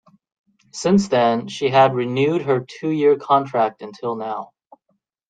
Since then, she had renewed her two-year contract until now.